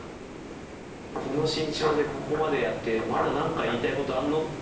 この身長でここまでやってまだ何か言いたいことあんのって。